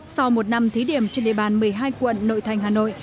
sau một năm thí điểm trên địa bàn một mươi hai quận nội thành hà nội